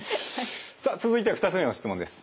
さあ続いては２つ目の質問です。